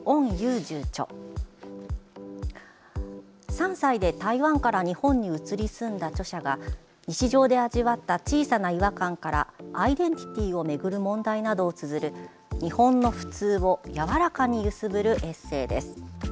３歳で台湾から日本に移り住んだ著者が日常で味わった小さな違和感からアイデンティティーをめぐる問題などをつづる日本の普通を柔らかに揺すぶるエッセーです。